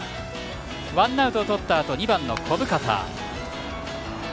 ワンアウトをとったあと２番の小深田。